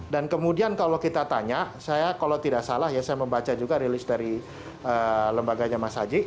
dan kemudian kalau kita tanya saya kalau tidak salah ya saya membaca juga rilis dari lembaganya mas haji